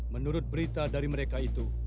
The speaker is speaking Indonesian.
menurut berita dari mereka itu